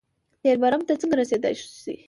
تېر برم ته څنګه رسېدای شي.